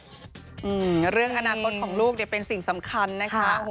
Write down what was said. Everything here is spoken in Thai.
อืมเรื่องอนาคตของลูกเป็นสิ่งสำคัญนะคะ